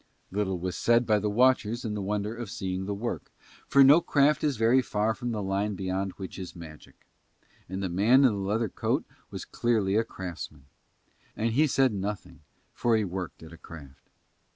Little was said by the watchers in the wonder of seeing the work, for no craft is very far from the line beyond which is magic, and the man in the leather coat was clearly a craftsman: and he said nothing for he worked at a craft.